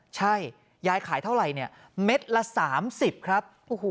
ใช่ยายขายเท่าไหร่เนี่ยเม็ดละ๓๐ครับ